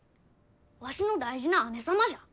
わしの大事な姉様じゃ。